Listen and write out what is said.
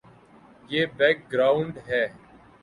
یہ background ہے۔